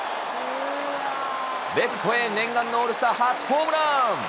レフトへ念願のオールスター、初ホームラン。